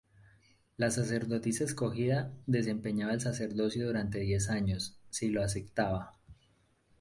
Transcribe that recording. La sacerdotisa escogida desempeñaba el sacerdocio durante diez años, si lo aceptaba.